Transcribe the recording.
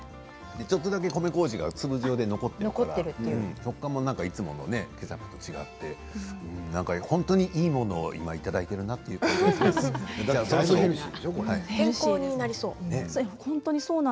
ちょっとだけ米こうじが粒状で残っているから食感もいつものケチャップと違って本当に今いいものをいただいて健康になりそう。